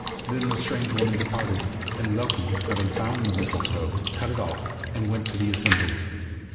Then the strange woman departed, and Loki having found the mistletoe, cut it off, and went to the assembly.